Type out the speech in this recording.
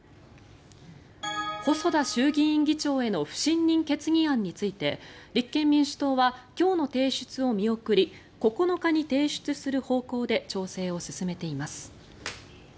細田衆議院議長への不信任決議案について立憲民主党は今日の提出を見送り９日に提出する方向で調整を進めています。